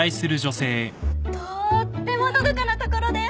とってものどかな所です。